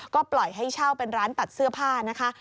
ก็ปล่อยให้เช่าเป็นร้านตัดเสื้อผ้านะคะ